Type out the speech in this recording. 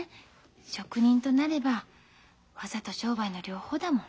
職人となれば技と商売の両方だもん。